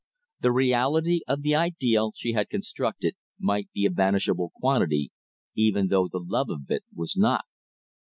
The reality of the ideal she had constructed might be a vanishable quantity even though the love of it was not.